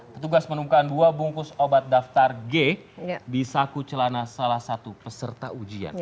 petugas menemukan dua bungkus obat daftar g di saku celana salah satu peserta ujian